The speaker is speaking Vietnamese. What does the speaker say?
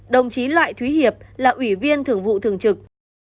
đồng chí loại thúy hiệp là ủy viên thường vụ thường trực